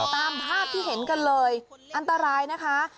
ตามภาพที่เห็นกันเลยอันตรายนะคะ